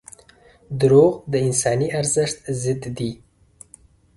• دروغ د انساني ارزښت ضد دي.